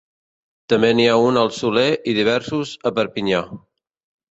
També n'hi ha un al Soler i diversos a Perpinyà.